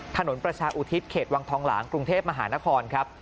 ถนนประชาอุทิศเขตวังทองหลางกรุงเทพมหานครครับ